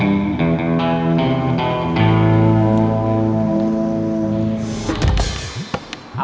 dia minta bergabung sama si jamal